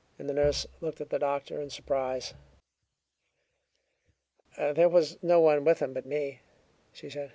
The nurse looked at the doctor in surprise. "There was no one with him but me," she said.